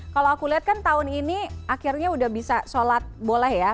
kalau aku lihat kan tahun ini akhirnya udah bisa sholat boleh ya